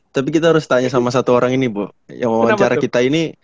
tapi kita harus tanya sama satu orang ini bu yang wawancara kita ini